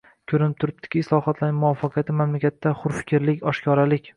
Ko‘rinib turibdiki, islohotlarning muvaffaqiyati mamlakatda hurfikrlik, oshkoralik